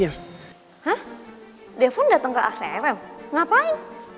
hah devon dateng ke acfm ngapain